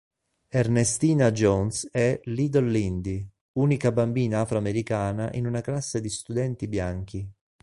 Ernestina Jones è "Little Lindy", unica bambina afroamericana in una classe di studenti bianchi.